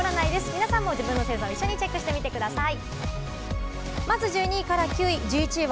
皆さんも一緒にチェックしてみてください。